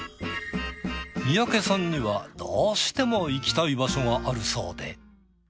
三宅さんにはどうしても行きたい場所があるそうで。